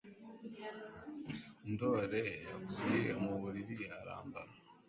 ndoro yavuye mu buriri arambara